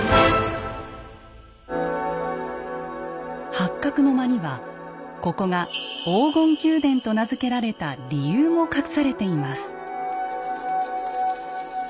八角の間にはここが「黄金宮殿」と名付けられた理由も隠されています。